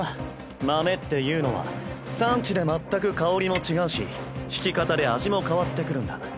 豆っていうのは産地で全く香りも違うしひき方で味も変わってくるんだ。